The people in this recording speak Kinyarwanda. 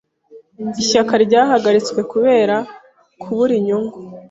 Ishyaka ryahagaritswe kubera kubura inyungu.